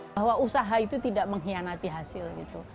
bahwa usaha itu tidak mengkhianati hasil gitu